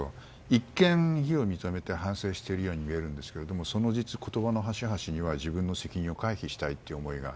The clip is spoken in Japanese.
一見、非を認めて反省しているように見えるんですがその実、言葉の端々には自分の責任を回避したいという思いが。